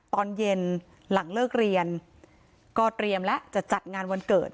ตอนเย็นหลังเลิกเรียนก็เตรียมแล้วจะจัดงานวันเกิด